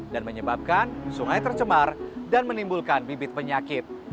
dan menyebabkan sungai tercemar dan menimbulkan bibit penyakit